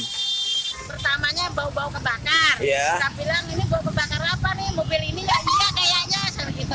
pertamanya bau bau kebakar kita bilang ini bau kebakar apa nih mobil ini enggak juga kayaknya